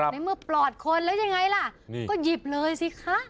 ในเมื่อปลอดคนแล้วยังไงล่ะก็หยิบเลยสิคะ